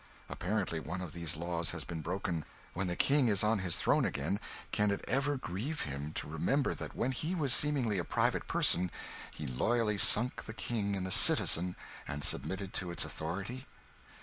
Apparently one of these laws has been broken; when the King is on his throne again, can it ever grieve him to remember that when he was seemingly a private person he loyally sank the king in the citizen and submitted to its authority?"